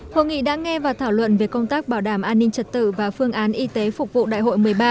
hội nghị đã nghe và thảo luận về công tác bảo đảm an ninh trật tự và phương án y tế phục vụ đại hội một mươi ba